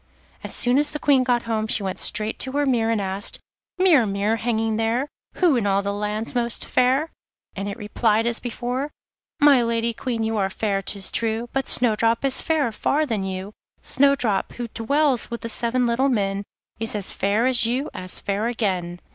As soon as the Queen got home she went straight to her mirror, and asked: 'Mirror, mirror, hanging there, Who in all the land's most fair?' and it replied as before: 'My Lady Queen, you are fair, 'tis true, But Snowdrop is fairer far than you. Snowdrop, who dwells with the seven little men, Is as fair as you, as fair again.